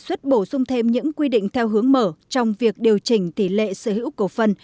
đề xuất bổ sung thêm những quy định theo hướng mở trong việc điều chỉnh tỷ lệ sở hữu cổ phân